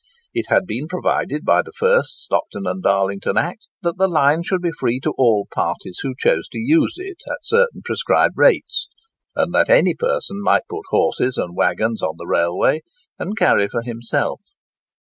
It had been provided by the first Stockton and Darlington Act that the line should be free to all parties who chose to use it at certain prescribed rates, and that any person might put horses and waggons on the railway, and carry for himself.